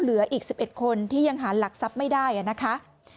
เหลืออีก๑๑คนที่ยังหาหลักทรัพย์ไม่ได้นะคะ